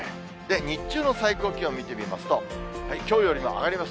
日中の最高気温見てみますと、きょうよりも上がります。